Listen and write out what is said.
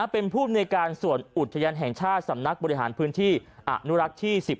เป็นภูมิในการส่วนอุทยานแห่งชาติสำนักบริหารพื้นที่อนุรักษ์ที่๑๑